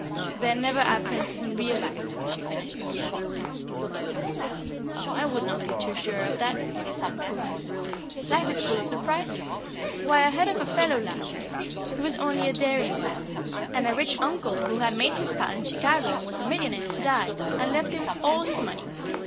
"There never are princes in real life," she finished, demurely. "Oh, I would not be too sure of that," he returned, coolly. "Life is full of surprises. Why, I heard of a fellow last year he was only a dairy man, and a rich uncle who had made his pile in Chicago, and was a millionaire, died, and left him all his money.